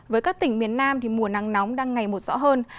với các tỉnh miền nam mùa nắng nóng đang ngày một rõ hơn